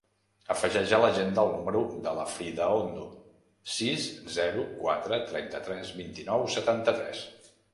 Afegeix a l'agenda el número de la Frida Ondo: sis, zero, quatre, trenta-tres, vint-i-nou, setanta-tres.